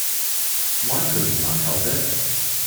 Why could you not help it?